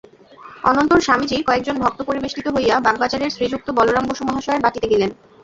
অনন্তর স্বামীজী কয়েকজন ভক্তপরিবেষ্টিত হইয়া বাগবাজারের শ্রীযুক্ত বলরাম বসু মহাশয়ের বাটীতে গেলেন।